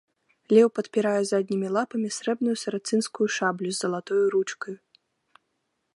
Леў падпірае заднімі лапамі срэбную сарацынскую шаблю з залатою ручкаю.